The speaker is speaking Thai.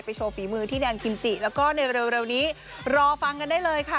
โชว์ฝีมือที่แนนคิมจิแล้วก็ในเร็วนี้รอฟังกันได้เลยค่ะ